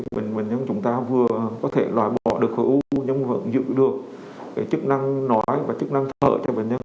bệnh bệnh nhân chúng ta vừa có thể loại bỏ được khối u nhưng vẫn giữ được chức năng nói và chức năng thở cho bệnh nhân